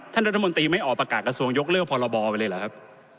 ท่านรัฐมนตรีไม่ออกประกาศกระทรวงยกเลิกพรบไปเลยเหรอครับ